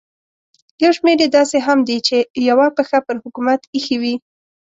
یو شمېر یې داسې هم دي چې یوه پښه پر حکومت ایښې وي.